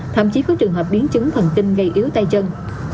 thậm chí có trường hợp biến chứng thần tinh gây yếu tay chân